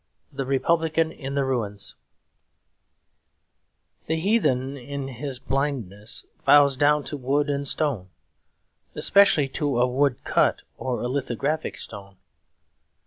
The Republican in the Ruins The heathen in his blindness bows down to wood and stone; especially to a wood cut or a lithographic stone.